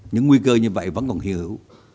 những nguy cơ như vậy vẫn còn hiểu